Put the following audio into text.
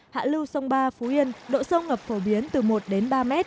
hạ lưu sông ba phú yên độ sông ngập phổ biến từ một đến ba mét